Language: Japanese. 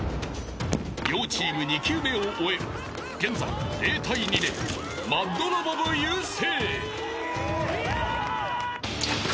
［両チーム２球目を終え現在０対２でＭＡＤロボ部優勢］